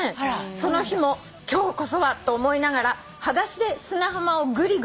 「その日も今日こそは！と思いながらはだしで砂浜をぐりぐり」